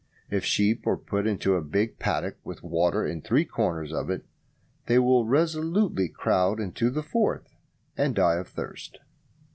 If sheep are put into a big paddock with water in three corners of it, they will resolutely crowd into the fourth, and die of thirst.